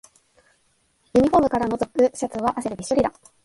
ユニフォームからのぞくシャツは汗でびっしょりだ